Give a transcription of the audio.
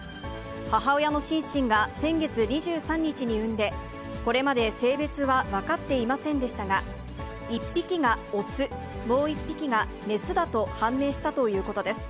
母親のシンシンが先月２３日に産んで、これまで性別は分かっていませんでしたが、１匹が雄、もう１匹が雌だと判明したということです。